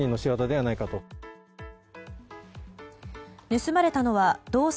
盗まれたのは銅線